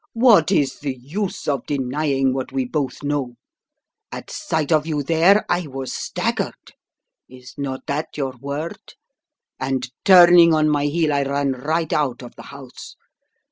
"What is the use of denying what we both know? At sight of you there I was staggered — is not that your word?— and turning on my heel I ran right out of the house.